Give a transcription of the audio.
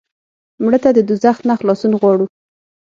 مړه ته د دوزخ نه خلاصون غواړو